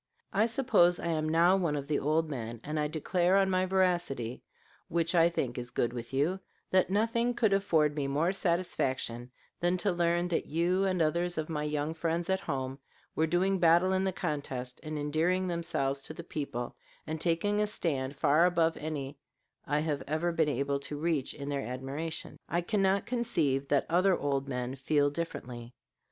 I suppose I am now one of the old men, and I declare on my veracity, which I think is good with you, that nothing could afford me more satisfaction than to learn that you and others of my young friends at home were doing battle in the contest and endearing themselves to the people and taking a stand far above any I have ever been able to reach in their admiration. I cannot conceive that other old men feel differently.